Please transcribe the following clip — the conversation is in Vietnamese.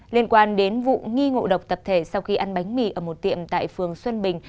liên quan đến vụ nghi ngộ độc tập thể sau khi ăn bánh mì ở một tiệm tại phường xuân bình